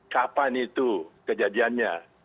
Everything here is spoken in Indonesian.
kapan itu kejadiannya